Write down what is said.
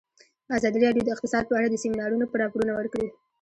ازادي راډیو د اقتصاد په اړه د سیمینارونو راپورونه ورکړي.